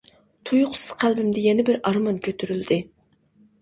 تۇيۇقسىز قەلبىمدە يەنە بىر ئارمان كۆتۈرۈلدى.